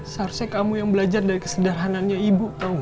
seharusnya kamu yang belajar dari kesederhananya ibu tau gak